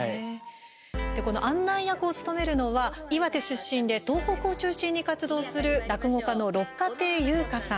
案内役を務めるのは岩手出身で東北を中心に活動する落語家の六華亭遊花さん。